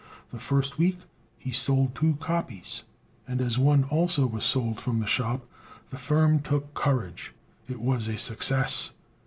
The first week he sold two copies; and as one also was sold from the shop, the firm took courage it was a success!